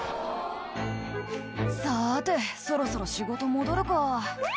さてそろそろ仕事戻るか」